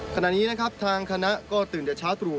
ขณะนี้นะครับทางคณะก็ตื่นแต่เช้าตรู่